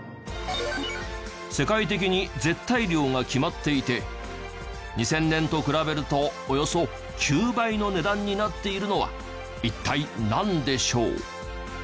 世界的に絶対量が決まっていて２０００年と比べるとおよそ９倍の値段になっているのは一体なんでしょう？